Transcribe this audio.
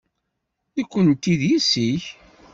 Nekkenti d yessi-k.